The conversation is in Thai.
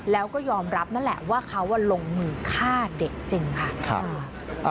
แล้วก็ยอมรับนั่นแหละว่าเขาลงมือฆ่าเด็กจริงค่ะ